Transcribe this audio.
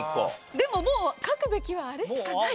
でももう書くべきはあれしかない。